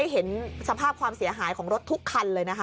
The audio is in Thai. เห็นสภาพความเสียหายของรถทุกคันเลยนะคะ